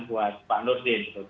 buat pak nur zin